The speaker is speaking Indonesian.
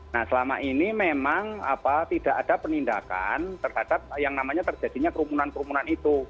nah selama ini memang tidak ada penindakan terhadap yang namanya terjadinya kerumunan kerumunan itu